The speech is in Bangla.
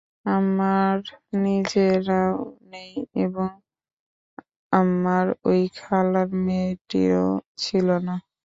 আমার নিজেরাও নেই এবং আমার ঐ খালার মেয়েটিরও ছিল না।